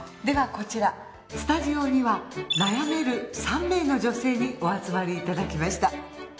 ではこちらスタジオには悩める３名の女性にお集まりいただきました。